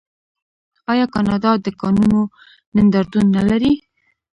آیا کاناډا د کانونو نندارتون نلري؟